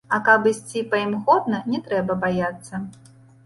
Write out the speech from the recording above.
А каб ісці па ім годна, не трэба баяцца.